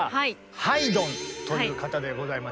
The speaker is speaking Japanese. ハイドンという方でございましてね。